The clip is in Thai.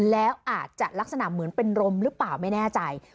แล้วอาจจะลักษณะเหมือนเป็นลมหรือเปล่าไม่แน่ใจ